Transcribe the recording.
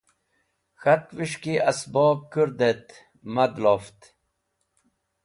K̃hatvẽs̃h ki esbob kordẽt mad loft.